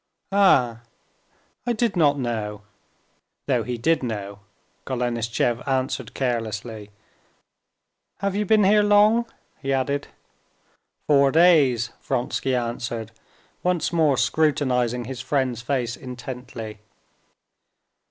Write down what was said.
"Ah! I did not know" (though he did know), Golenishtchev answered carelessly. "Have you been here long?" he added. "Four days," Vronsky answered, once more scrutinizing his friend's face intently.